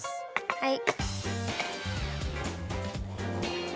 はい。